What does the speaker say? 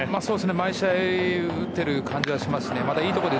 毎試合打っている感じがしますし。